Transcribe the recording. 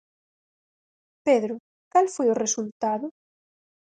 Pedro, cal foi o resultado?